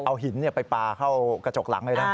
เอาหินไปปลาเข้ากระจกหลังเลยนะ